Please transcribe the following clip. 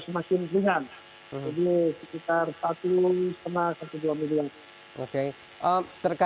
kita akan menjalankan penanganan dbd secara keseluruhan